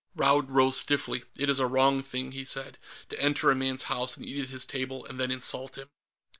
Raud rose stiffly. "It is a wrong thing," he said, "to enter a man's house and eat at his table, and then insult him."